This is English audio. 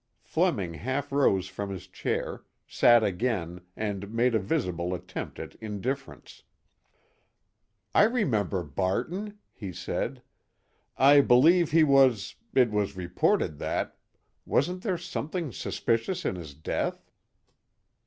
Fleming half rose from his chair, sat again and made a visible attempt at indifference. "I remember Barton," he said; "I believe he was—it was reported that—wasn't there something suspicious in his death?"